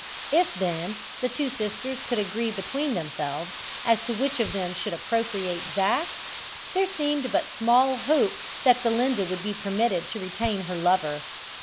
If, then, the two sisters could agree between themselves as to which of them should appropriate Zac, there seemed but small hope that Belinda would be permitted to retain her lover.